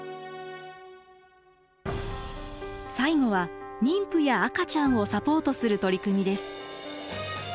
最後は妊婦や赤ちゃんをサポートする取り組みです。